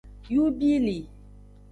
Yubili.